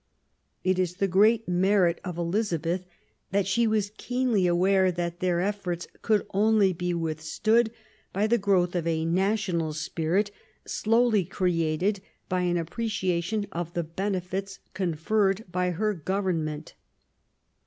It is the great merit of Elizabeth that she was keenly aware that their efforts could only be withstood by the growth of a national spirit, slowly created by an appreciation of the benefits conferred by her government.